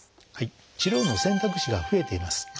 治療の選択肢が増えています。